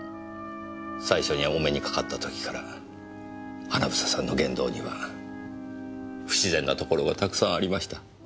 最初にお目にかかった時から英さんの言動には不自然なところがたくさんありました。